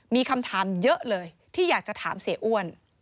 มีคำถามเยอะเลยที่อยากจะถามเสียอ้วน